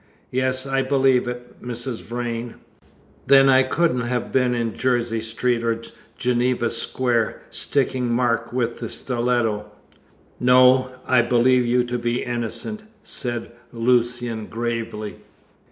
"Yes, I believe it, Mrs. Vrain." "Then I couldn't have been in Jersey Street or Geneva Square, sticking Mark with the stiletto?" "No! I believe you to be innocent," said Lucian gravely.